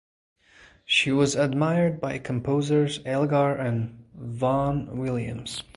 She was admired by composers Elgar and Vaughan Williams.